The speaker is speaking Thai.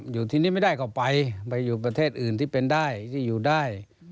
อยู่ที่นี่ไม่ได้ก็ไปไปอยู่ประเทศอื่นที่เป็นได้ที่อยู่ได้